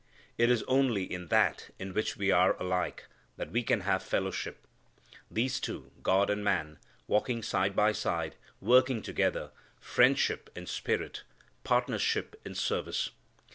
It is only in that in which we are alike that we can have fellowship. These two, God and man, walking side by side, working together, friendship in spirit; partnership in service.